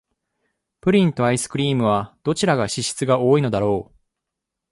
プリンとアイスクリームは、どちらが脂質が多いのだろう。